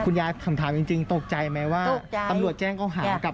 ขุนยายถามถามจริงตกใจไหมว่าอำรุณแจ้งของขายกับ